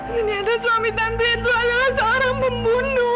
ternyata suami tante itu adalah seorang pembunuh